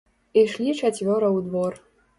Ішлі чацвёра ў двор.